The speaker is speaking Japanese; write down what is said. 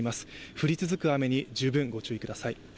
降り続く雨に十分ご注意ください。